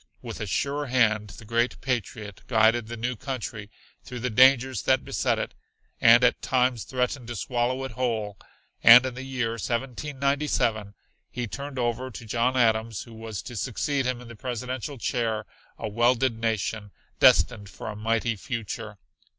With a sure hand the great patriot guided the new country through the dangers that beset it and at times threatened to swallow it whole, and in the year 1797 he turned over to John Adams who was to succeed him in the presidential chair a welded nation, destined for a mighty future.